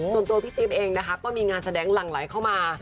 ส่วนตัวพี่จิ๊บเองนะคะก็มีงานแสดงหลั่งไหลเข้ามา